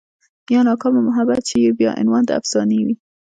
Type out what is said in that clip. يا ناکامه محبت شي بيا عنوان د افسانې وي